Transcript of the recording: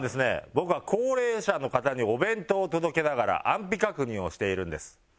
僕は高齢者の方にお弁当を届けながら安否確認をしているんです。